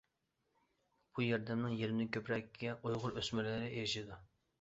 بۇ ياردەمنىڭ يېرىمدىن كۆپرەكىگە ئۇيغۇر ئۆسمۈرلىرى ئېرىشىدۇ.